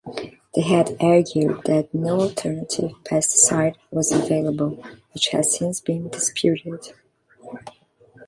They had argued that no alternative pesticide was available, which has since been disputed.